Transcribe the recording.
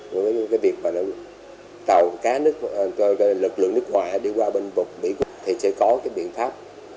với cái việc mà nó thầu cá nước lực lượng nước ngoài đi qua bên bộ bỉ quốc thì sẽ có cái biện pháp